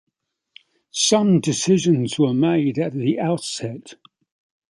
Some decisions were made at the outset.